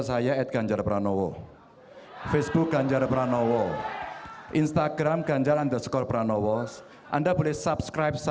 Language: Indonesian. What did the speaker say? saya diajak dari gudang wanayua gimana udah help lagi